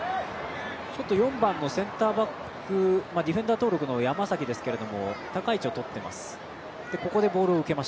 ４番のセンターバックディフェンダー登録の山崎ですけれども高い位置をとってます。